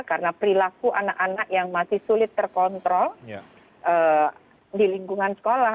karena perilaku anak anak yang masih sulit terkontrol di lingkungan sekolah